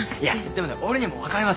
でもね俺には分かります。